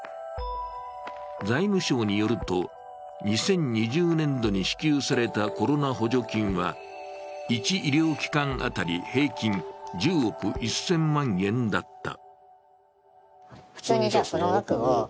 財務省によると、２０２０年度に支給されたコロナ補助金は、１医療機関当たり平均１０億１０００万円だった。